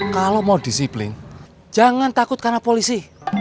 kalau mau disiplin jangan takut karena polisi